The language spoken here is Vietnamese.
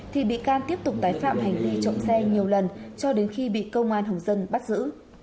thì bị can tiếp tục tái phạm hành vi trộm xe nhiều lần cho đến khi bị công an hồng dân bắt giữ